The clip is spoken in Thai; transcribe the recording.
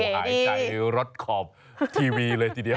หายใจรถขอบทีวีเลยทีเดียว